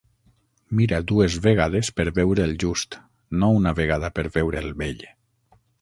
Mira dues vegades per veure el just, no una vegada per veure el bell.